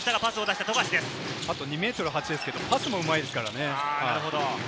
あと２ｍ８ｃｍですけれども、パスもうまいですからね。